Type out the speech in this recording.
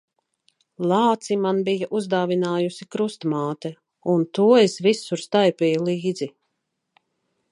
Lāci man bija uzdāvinājusi krustmāte, un to es visur staipīju līdzi.